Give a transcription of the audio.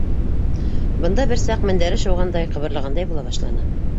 Бына бер саҡ мендәре шыуғандай, ҡыбырлағандай була башланы.